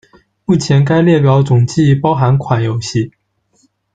目前该列表总计包含款游戏。